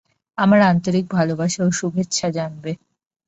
আমার আন্তরিক ভালবাসা ও শুভেচ্ছা জানবে।